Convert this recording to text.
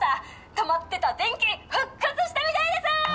「止まってた電気復活したみたいですー！」